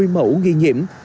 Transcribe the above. một mươi mẫu nghi nhiễm